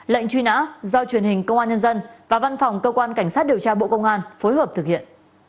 lệnh truy nã do truyền hình công an nhân dân và văn phòng cơ quan cảnh sát điều tra bộ công an phối hợp thực hiện